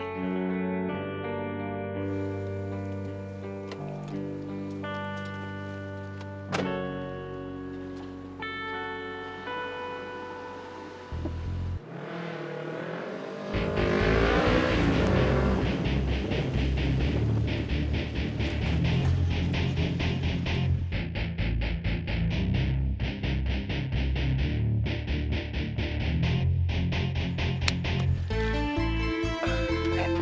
mas b gak setuju hubungan reva dengan boy